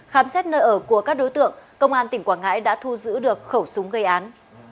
khám xét nơi ở của các đối tượng công an tỉnh quảng ngãi đã thu giữ được khẩu súng gây án